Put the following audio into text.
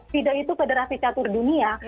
fida itu federasi catur dunia